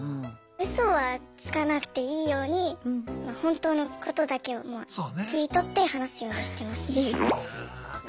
うそはつかなくていいように本当のことだけを切り取って話すようにしてますね。